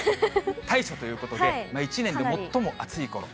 大暑ということで、一年で最も暑いころ。